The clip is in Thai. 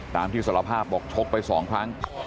ตามที่สารภาพบอกชกไป๒ครั้ง